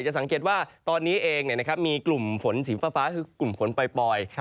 สังเกตว่าตอนนี้เองมีกลุ่มฝนสีฟ้าคือกลุ่มฝนปล่อย